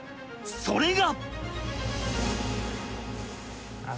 それが。